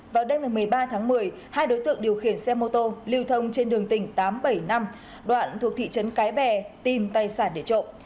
vào đêm một mươi ba tháng một mươi hai đối tượng điều khiển xe mô tô lưu thông trên đường tỉnh tám trăm bảy mươi năm đoạn thuộc thị trấn cái bè tìm tài sản để trộm